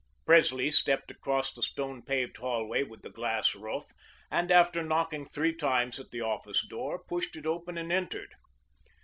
Presley stepped across the stone paved hallway with the glass roof, and after knocking three times at the office door pushed it open and entered.